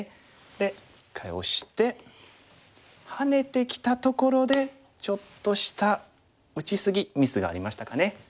で一回オシてハネてきたところでちょっとした打ち過ぎミスがありましたかね。